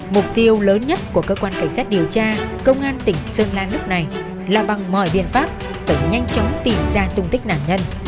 mục tiêu lớn nhất của cơ quan cảnh sát điều tra công an tỉnh sơn lan lúc này là bằng mọi biện pháp phải nhanh chóng tìm ra tung tích nạn nhân